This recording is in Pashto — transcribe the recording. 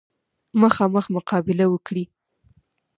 مخامخ مقابله وکړي.